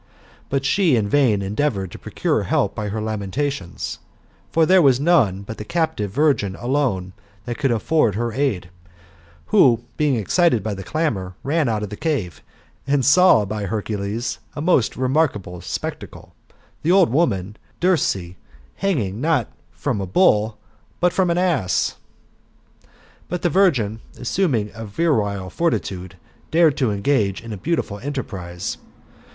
But she in vain ^ deavoiured to procure help by her lamentations ; for there was no one but the captive virgin alone, that could afford her aid, who, being excited by the clamour, ran out of the cave, and saw, by Hercules, a most remarkable spectacle, the old woman, Dirce, hanging not from a bull, but from an ass^ But the vir gin, assuming a virile fortitude, dared to engage in a beautiful enterprise.